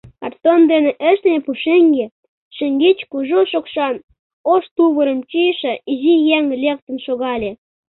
Картон дене ыштыме пушеҥге шеҥгеч кужу шокшан ош тувырым чийыше изи еҥ лектын шогале.